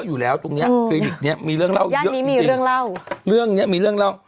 อย่างนี้มันหมอสรรค์ชื่อดัง